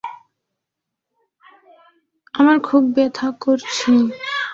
আমার খুব ব্যাথা করছে।